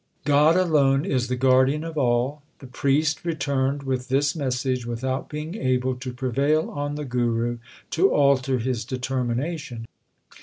God alone is the guardian of all. The priest returned with this message without being able to prevail on the Guru to alter his determination.